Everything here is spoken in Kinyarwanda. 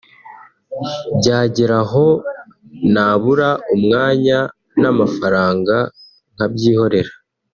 byageraho nabura umwanya n’amafaranga nkabyihorera